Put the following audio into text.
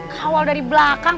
kawal dari belakang